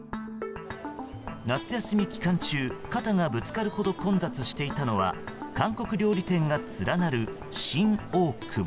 夏休み期間中、肩がぶつかるほど混雑していたのは韓国料理店が連なる新大久保。